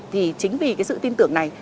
thì chính vì cái sự tin tưởng này